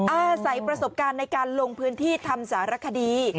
อาศัยประสบการณ์ในการลงพื้นที่ทำสารคดี